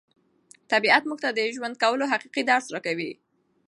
طبیعت موږ ته د ژوند کولو حقیقي درس راکوي.